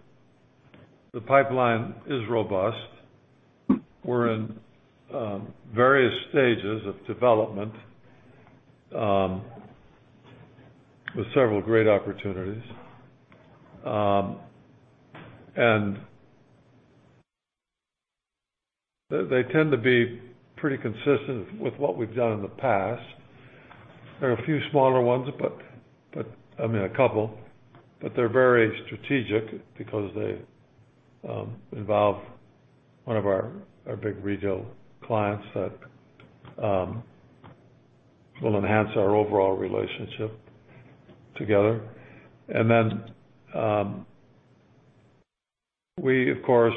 C: pipeline is robust. We're in various stages of development with several great opportunities. They tend to be pretty consistent with what we've done in the past. There are a few smaller ones, but I mean, a couple, but they're very strategic because they involve one of our big retail clients that will enhance our overall relationship together. Then we of course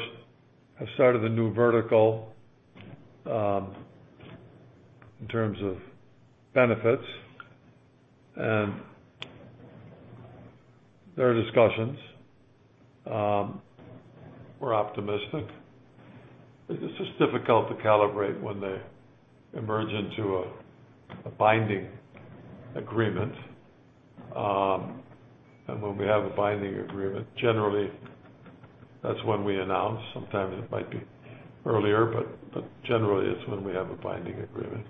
C: have started a new vertical in terms of benefits and there are discussions. We're optimistic. It's just difficult to calibrate when they emerge into a binding agreement. When we have a binding agreement, generally That's when we announce. Sometimes it might be earlier, but generally it's when we have a binding agreement.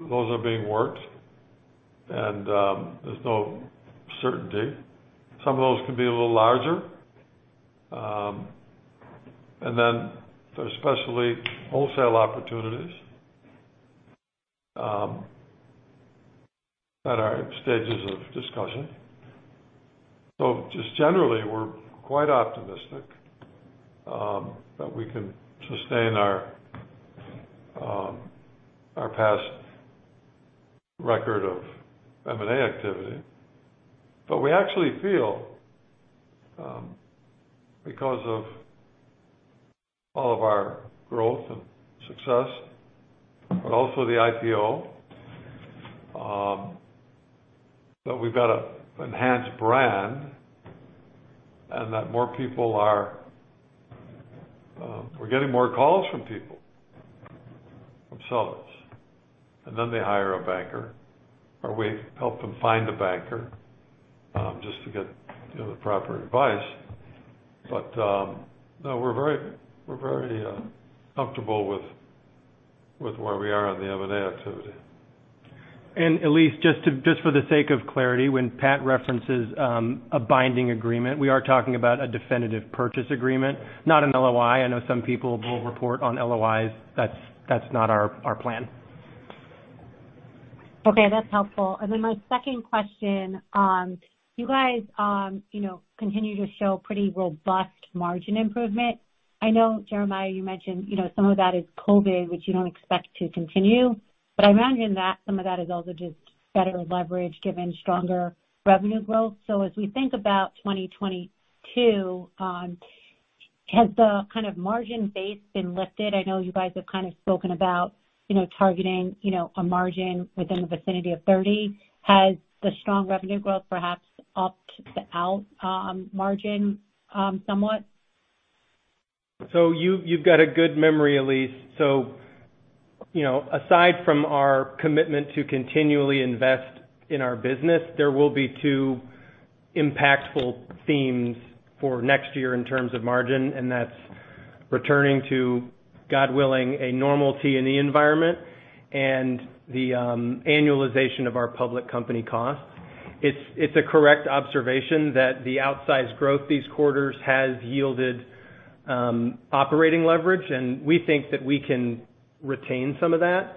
C: Those are being worked and there's no certainty. Some of those could be a little larger. There's especially wholesale opportunities that are at stages of discussion. Just generally, we're quite optimistic that we can sustain our past record of M&A activity. We actually feel because of all of our growth and success, but also the IPO, that we've got an enhanced brand and we're getting more calls from people, from sellers. They hire a banker, or we help them find a banker just to get, you know, the proper advice. No, we're very comfortable with where we are on the M&A activity.
D: Elyse, just for the sake of clarity, when Pat references a binding agreement, we are talking about a definitive purchase agreement, not an LOI. I know some people will report on LOIs. That's not our plan.
I: Okay, that's helpful. My second question, you guys, you know, continue to show pretty robust margin improvement. I know, Jeremiah, you mentioned, you know, some of that is COVID, which you don't expect to continue. I imagine that some of that is also just better leverage given stronger revenue growth. As we think about 2022, has the kind of margin base been lifted? I know you guys have kind of spoken about, you know, targeting, you know, a margin within the vicinity of 30%. Has the strong revenue growth perhaps upped the margin somewhat?
E: You've got a good memory, Elyse. You know, aside from our commitment to continually invest in our business, there will be two impactful themes for next year in terms of margin, and that's returning to, God willing, a normality in the environment and the annualization of our public company costs. It's a correct observation that the outsized growth these quarters has yielded operating leverage, and we think that we can retain some of that.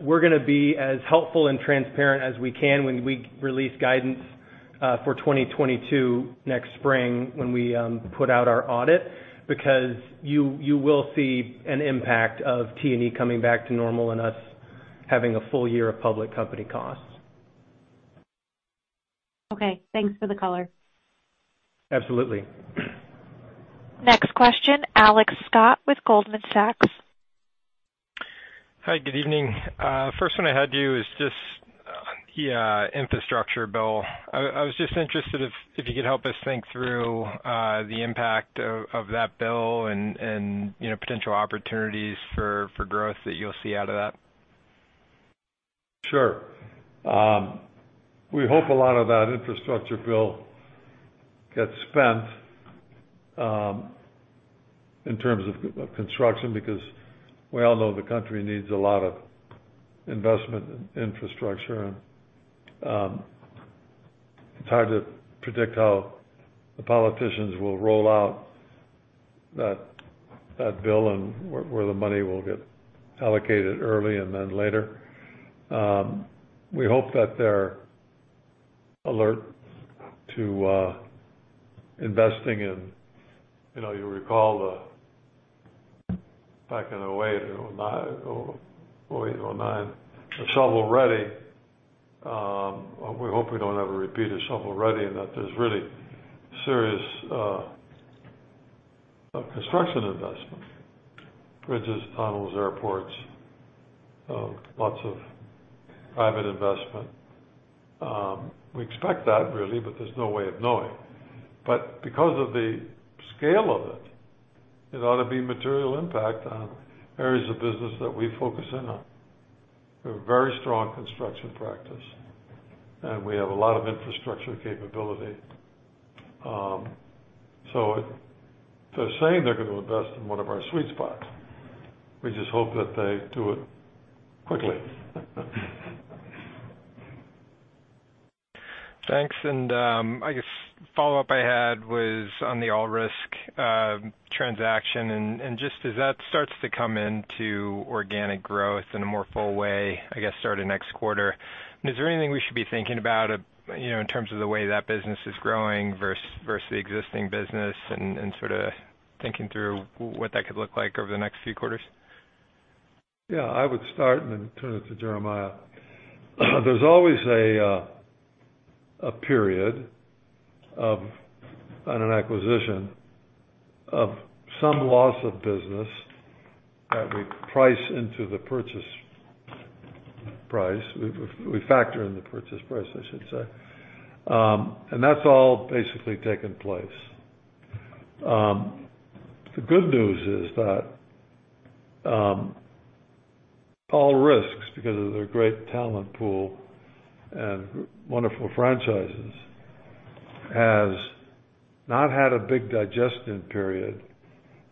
E: We're gonna be as helpful and transparent as we can when we release guidance for 2022 next spring when we put out our audit, because you will see an impact of T&E coming back to normal and us having a full year of public company costs.
I: Okay, thanks for the color.
E: Absolutely.
A: Next question, Alex Scott with Goldman Sachs.
J: Hi, good evening. First one I had to you is just on the infrastructure bill. I was just interested if you could help us think through the impact of that bill and, you know, potential opportunities for growth that you'll see out of that.
C: Sure. We hope a lot of that infrastructure bill gets spent in terms of construction, because we all know the country needs a lot of investment in infrastructure. It's hard to predict how the politicians will roll out that bill and where the money will get allocated early and then later. We hope that they're alert to investing in. You know, you recall back in 2008, 2009, the shovel ready. We hope we don't have a repeat of shovel ready, and that there's really serious construction investment, bridges, tunnels, airports, lots of private investment. We expect that really, but there's no way of knowing. Because of the scale of it ought to be material impact on areas of business that we focus in on. We have a very strong construction practice, and we have a lot of infrastructure capability. They're saying they're gonna invest in one of our sweet spots. We just hope that they do it quickly.
J: Thanks. I guess follow-up I had was on the All Risks transaction and just as that starts to come into organic growth in a more full way, I guess, starting next quarter, is there anything we should be thinking about, you know, in terms of the way that business is growing versus the existing business and sort of thinking through what that could look like over the next few quarters?
C: Yeah. I would start and then turn it to Jeremiah. There's always a period on an acquisition of some loss of business that we price into the purchase price. We factor in the purchase price, I should say. That's all basically taken place. The good news is that All Risks because of their great talent pool and wonderful franchises has not had a big digestion period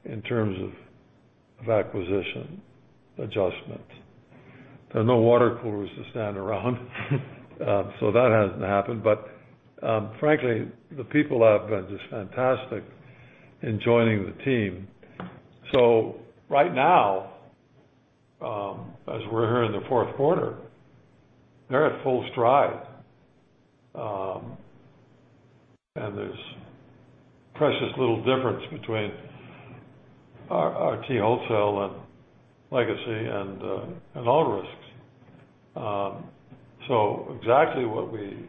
C: in terms of acquisition adjustment. There are no water coolers to stand around. That hasn't happened. Frankly, the people have been just fantastic in joining the team. Right now, as we're here in the fourth quarter, they're at full stride. There's precious little difference between our RT wholesale and legacy and All Risks. Exactly what we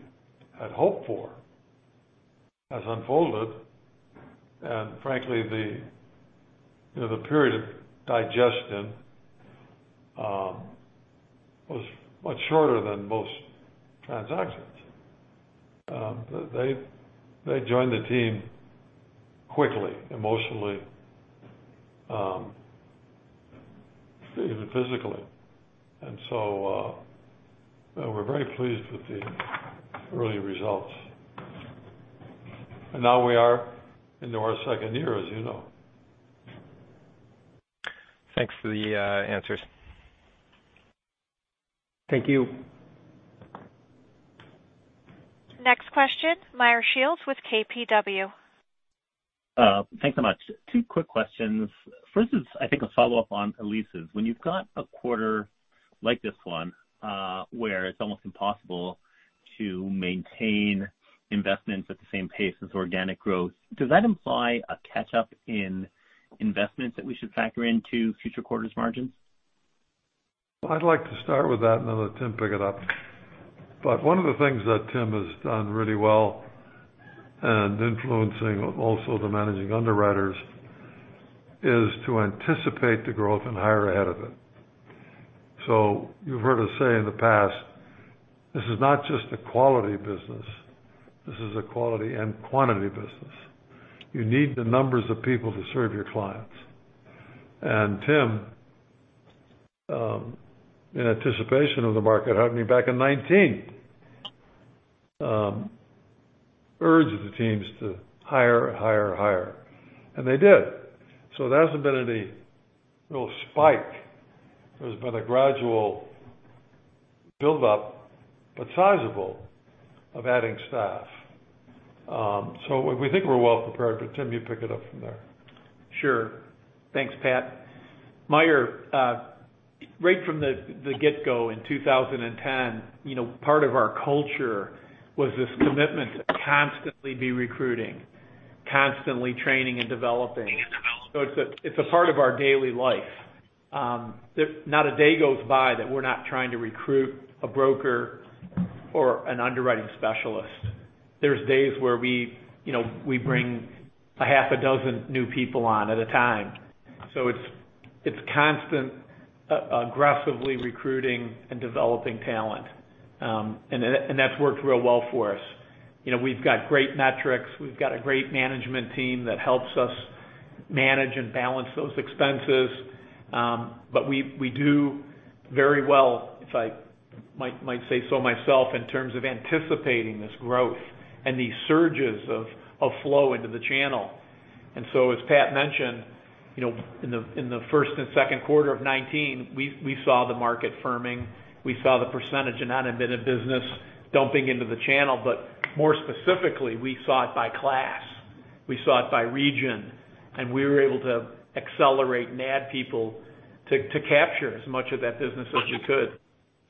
C: had hoped for has unfolded. Frankly, you know, the period of digestion was much shorter than most transactions. They joined the team quickly, emotionally, even physically. We're very pleased with the early results. Now we are into our second year, as you know.
J: Thanks for the answers.
D: Thank you.
A: Next question, Meyer Shields with KBW.
K: Thanks so much. Two quick questions. First is, I think, a follow-up on Elyse's. When you've got a quarter like this one, where it's almost impossible to maintain investments at the same pace as organic growth, does that imply a catch-up in investments that we should factor into future quarters margins?
C: I'd like to start with that, and then let Tim pick it up. One of the things that Tim has done really well, and influencing also the managing underwriters, is to anticipate the growth and hire ahead of it. You've heard us say in the past, this is not just a quality business, this is a quality and quantity business. You need the numbers of people to serve your clients. Tim, in anticipation of the market happening back in 2019, urged the teams to hire. They did. There hasn't been any real spike. There's been a gradual build up, but sizable of adding staff. We think we're well prepared. Tim, you pick it up from there.
D: Sure. Thanks, Pat. Meyer, right from the get go in 2010, you know, part of our culture was this commitment to constantly be recruiting, constantly training and developing. It's a part of our daily life. Not a day goes by that we're not trying to recruit a broker or an underwriting specialist. There are days where we, you know, we bring a half a dozen new people on at a time. It's constant aggressively recruiting and developing talent. That's worked real well for us. You know, we've got great metrics. We've got a great management team that helps us manage and balance those expenses. We do very well, if I might say so myself, in terms of anticipating this growth and these surges of flow into the channel. As Pat mentioned, you know, in the first and second quarter of 2019, we saw the market firming. We saw the percentage of non-admitted business dumping into the channel. More specifically, we saw it by class, we saw it by region, and we were able to accelerate and add people to capture as much of that business as we could.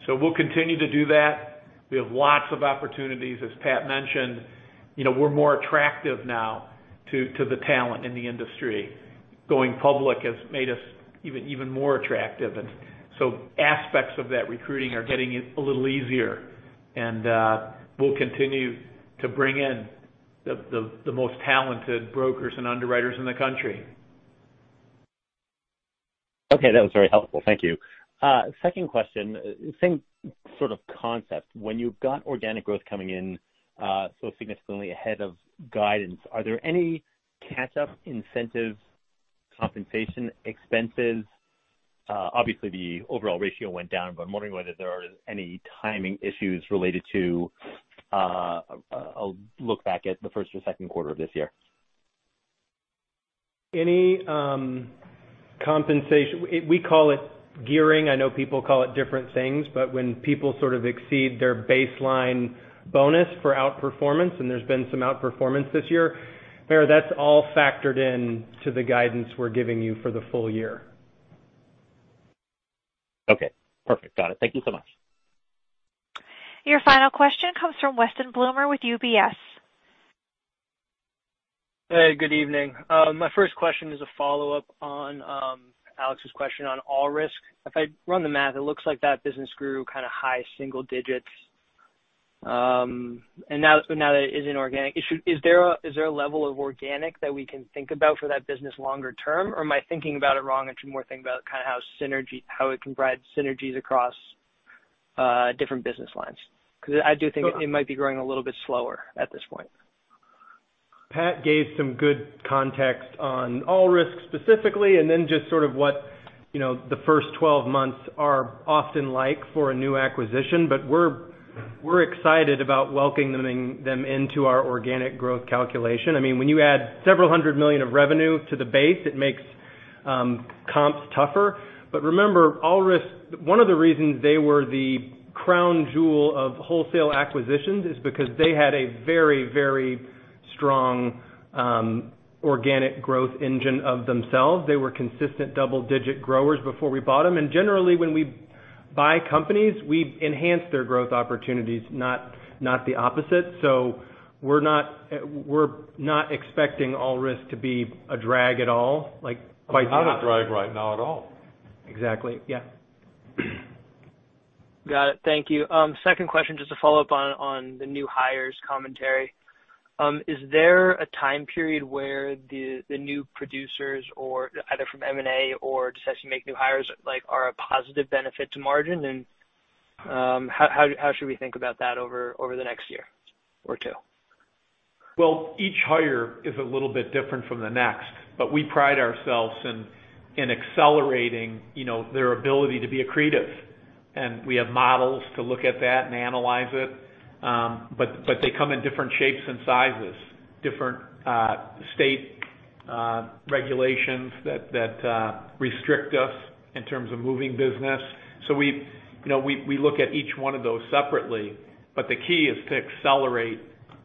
D: We'll continue to do that. We have lots of opportunities. As Pat mentioned, you know, we're more attractive now to the talent in the industry. Going public has made us even more attractive. Aspects of that recruiting are getting a little easier. We'll continue to bring in the most talented brokers and underwriters in the country.
K: Okay, that was very helpful. Thank you. Second question. Same sort of concept. When you've got organic growth coming in, so significantly ahead of guidance, are there any catch up incentive compensation expenses? Obviously the overall ratio went down, but I'm wondering whether there are any timing issues related to a look back at the first or second quarter of this year.
E: Compensation, we call it gearing. I know people call it different things, but when people sort of exceed their baseline bonus for outperformance, and there's been some outperformance this year, Meyer, that's all factored in to the guidance we're giving you for the full year.
K: Okay, perfect. Got it. Thank you so much.
A: Your final question comes from Weston Bloomer with UBS.
L: Hey, good evening. My first question is a follow-up on Alex's question on All Risks. If I run the math, it looks like that business grew kind of high single digits. But now that it isn't organic, is there a level of organic that we can think about for that business longer term, or am I thinking about it wrong and should more think about kind of how it can provide synergies across different business lines? Because I do think it might be growing a little bit slower at this point.
E: Pat gave some good context on All Risks specifically, and then just sort of what, you know, the first 12 months are often like for a new acquisition. We're excited about welcoming them into our organic growth calculation. I mean, when you add several hundred million of revenue to the base, it makes comps tougher. Remember, All Risks, one of the reasons they were the crown jewel of wholesale acquisitions is because they had a very strong organic growth engine of themselves. They were consistent double-digit growers before we bought them. Generally, when we buy companies, we enhance their growth opportunities, not the opposite. We're not expecting All Risks to be a drag at all, like quite.
C: It's not a drag right now at all.
E: Exactly, yeah.
L: Got it. Thank you. Second question, just to follow up on the new hires commentary. Is there a time period where the new producers or either from M&A or just as you make new hires, like, are a positive benefit to margin? And how should we think about that over the next year or two?
D: Well, each hire is a little bit different from the next, but we pride ourselves in accelerating, you know, their ability to be accretive. We have models to look at that and analyze it. They come in different shapes and sizes, different state regulations that restrict us in terms of moving business. We, you know, look at each one of those separately. The key is to accelerate,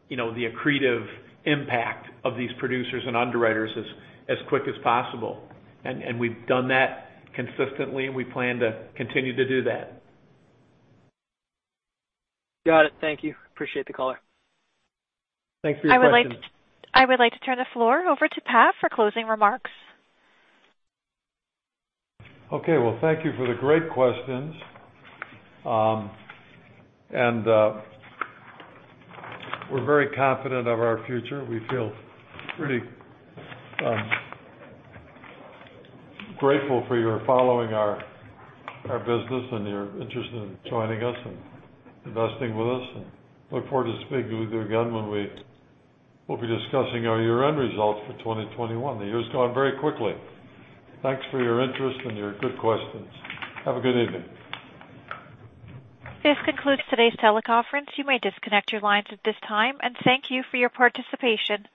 D: you know, the accretive impact of these producers and underwriters as quick as possible. We've done that consistently, and we plan to continue to do that.
L: Got it. Thank you. Appreciate the call.
D: Thanks for your question.
A: I would like to turn the floor over to Pat for closing remarks.
C: Okay. Well, thank you for the great questions. We're very confident of our future. We feel pretty grateful for your following our business and your interest in joining us and investing with us, and look forward to speaking with you again when we will be discussing our year-end results for 2021. The year's gone very quickly. Thanks for your interest and your good questions. Have a good evening.
A: This concludes today's teleconference. You may disconnect your lines at this time, and thank you for your participation.